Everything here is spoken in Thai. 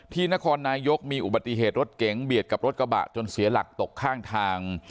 นครนายกมีอุบัติเหตุรถเก๋งเบียดกับรถกระบะจนเสียหลักตกข้างทาง